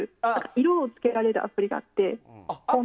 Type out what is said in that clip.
色を付けられるアプリがあって。